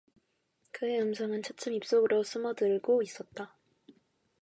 그의 음성은 차츰 입 속으로 숨어들고 있었다.